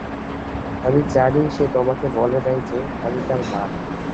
আমি জানি সে তোমাকে বলে নাই যে আমি তার মা।